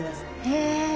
へえ。